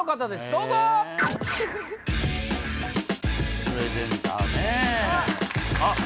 どうぞプレゼンターねえあっ